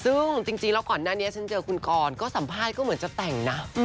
ซึ่งจริงแล้วก่อนหน้านี้ฉันเจอคุณกรก็สัมภาษณ์ก็เหมือนจะแต่งนะ